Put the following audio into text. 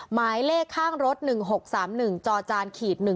หมายเลขข้างรถ๑๖๓๑จอจาน๑๒